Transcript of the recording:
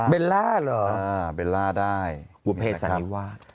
เบลล่าบุคเพศสันวิวาด